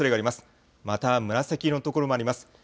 また紫色の所もあります。